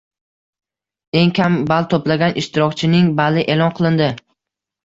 Eng kam ball to‘plagan ishtirokchining bali e’lon qilindi